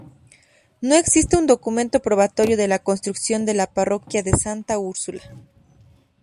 No existe un documento probatorio de la construcción de la parroquia de Santa Úrsula.